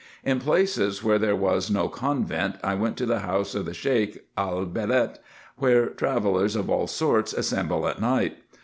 In places where there was no convent I went to the house of the Sheik el balet, where travellers of all sorts assemble at night.